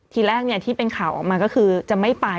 ทีนี้เนี่ยที่เป็นข่าวออกมาก็คือจะไม่ไป